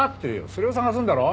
それを捜すんだろ？